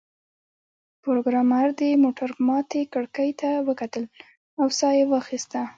پروګرامر د موټر ماتې کړکۍ ته وکتل او ساه یې واخیسته